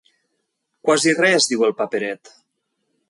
Quasi res diu el paperet!